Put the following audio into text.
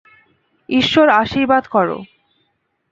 ঈশ্বর আশীর্বাদ কোরো।